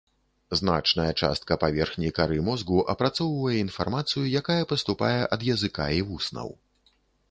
Значная частка паверхні кары мозгу апрацоўвае інфармацыю, якая паступае ад языка і вуснаў.